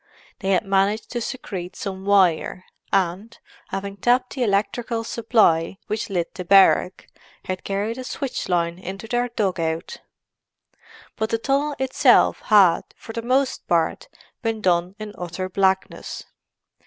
They had managed to secrete some wire, and, having tapped the electric supply which lit the barrack, had carried a switch line into their "dug out." But the tunnel itself had, for the most part, been done in utter blackness.